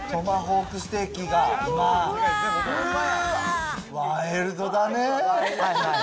トマホークステーキが、まあ、うわっ、ワイルドだね。